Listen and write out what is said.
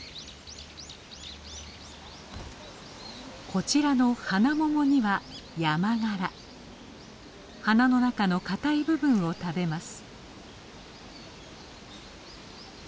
こちらのハナモモには花の中のかたい部分を食べます。